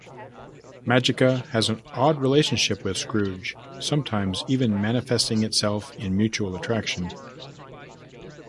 Magica has an odd relationship with Scrooge, sometimes even manifesting itself in mutual attraction.